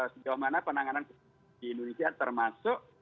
sejauh mana penanganan di indonesia termasuk